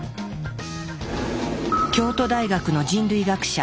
京都大学の人類学者